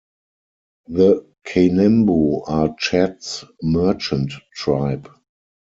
The Kanembu are Chad's merchant tribe.